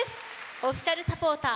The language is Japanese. オフィシャルサポーター